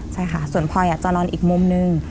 ใช่ค่ะส่วนพลอยจะนอนอีกมุมนึง